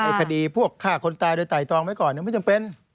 คดีพวกฆ่าคนตายโดยไตรตองไว้ก่อนไม่จำเป็น